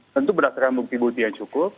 tentu berdasarkan bukti bukti yang cukup